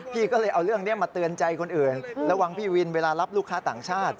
พี่ก็เลยเอาเรื่องนี้มาเตือนใจคนอื่นระวังพี่วินเวลารับลูกค้าต่างชาติ